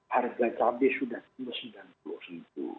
harga cabai sudah tambah sembilan puluh centu